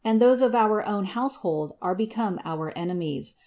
Those of our own household are become our ene mies.